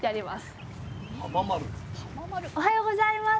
おはようございます。